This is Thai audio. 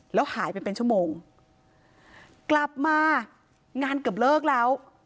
แล้วหายไปเป็นชั่วโมงกลับมางานเกือบเลิกแล้ว